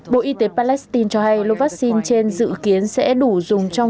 bộ y tế palestine cho hay lô vaccine trên dự kiến sẽ đủ dùng trong tám đến một mươi bốn tháng